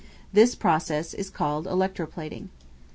This process is called electro plating.